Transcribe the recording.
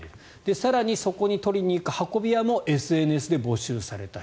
更に、そこに取りに行く運び屋もＳＮＳで募集された人。